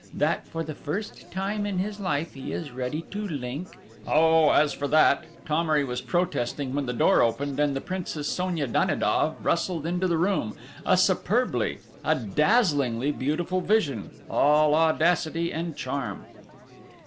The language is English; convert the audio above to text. That, for the first time in his life, he is ready to link ..." "Oh, as for that!..." Thomery was protesting, when the door opened, and the Princess Sonia Danidoff rustled into the room, a superbly a dazzlingly beautiful vision, all audacity and charm.